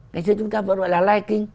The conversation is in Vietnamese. ngày xưa chúng ta vẫn gọi là lai kinh